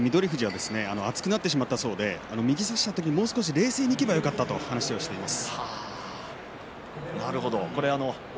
富士は、やはり熱くなってしまった右を差した時にもう少し冷静にいけばよかったと話していました。